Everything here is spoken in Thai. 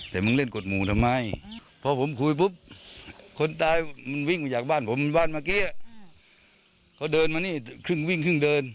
แต่มึงเล่นกดหมู่ทำไมพอผมคุยปุ๊บคนตายมันวิ่งมาจากบ้านผมบ้านเมื่อกี้เขาเดินมานี่ครึ่งวิ่งครึ่งเดิน